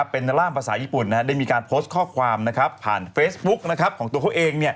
เป็นร่ามภาษาญี่ปุ่นได้มีการโพสต์ข้อความผ่านเฟซบุ๊กของตัวเขาเอง